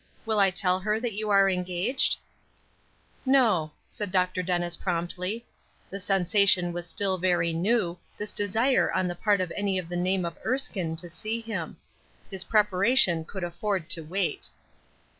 Will I tell her that you are engaged?" "No," said Dr. Dennis, promptly. The sensation was still very new, this desire on the part of any of the name of Erskine to see him. His preparation could afford to wait.